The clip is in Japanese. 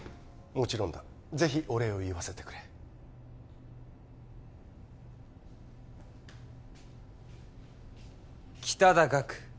もちろんだぜひお礼を言わせてくれ北田岳